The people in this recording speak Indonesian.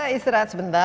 oke istirahat sebentar ya